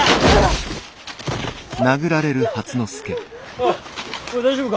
おい大丈夫か。